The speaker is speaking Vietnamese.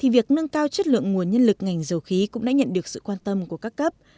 việc nâng cao chất lượng nguồn nhân lực ngành dầu khí cũng đã nhận được sự quan tâm của các cấp